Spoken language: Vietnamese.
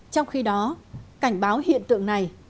trong khi đó cảnh báo hiện tượng này